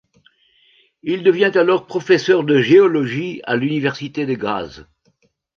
Il devient alors professeur de géologie à l’université de Graz.